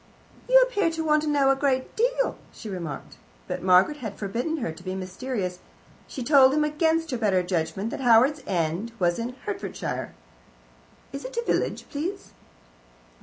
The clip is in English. "You appear to want to know a good deal," she remarked. But Margaret had forbidden her to be mysterious. She told him against her better judgment that Howards End was in Hertfordshire. "Is it a village, please?"